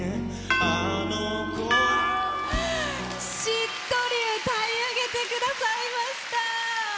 しっとり歌い上げてくださいました。